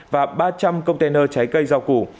và ba trăm linh container trái cây rau củ